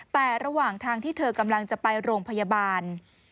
แต่ระหว่างทางที่เธอกำลังจะไปโรงพยาบาล